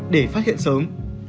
để phát hiện sớm